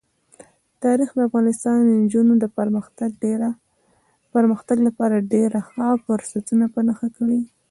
تاریخ د افغان نجونو د پرمختګ لپاره ډېر ښه فرصتونه په نښه کوي.